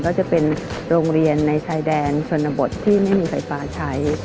ก็จะเป็นโรงเรียนในชายแดนชนบทที่ไม่มีไฟฟ้าใช้